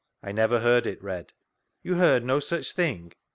— I never heard it read. You heard no such thing?